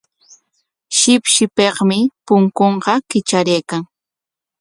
Shipshipikmi punkunqa kitraraykan.